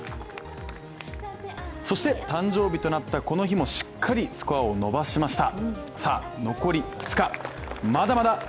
そして、誕生日となったこの日もしっかりスコアを伸ばしました。